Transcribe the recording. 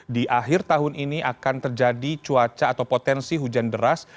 di akhir tahun ini akan terjadi cuaca atau potensi hujan deras